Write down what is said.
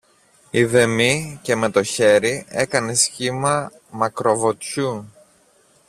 ειδεμή, και με το χέρι έκανε σχήμα μακροβουτιού